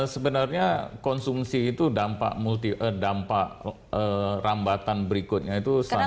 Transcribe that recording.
sebenarnya konsumsi itu dampak rambatan berikutnya itu sama